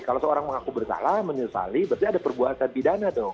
kalau seorang mengaku bersalah menyesali berarti ada perbuatan pidana dong